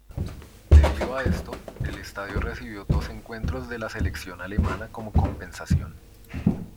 Debido a esto, el estadio recibió dos encuentros de la selección alemana como compensación.